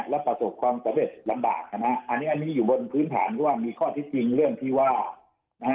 และประสบความสำเร็จลำบากนะฮะอันนี้อันนี้อยู่บนพื้นฐานเพราะว่ามีข้อที่จริงเรื่องที่ว่านะฮะ